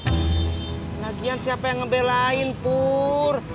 pengajian siapa yang ngebelain pur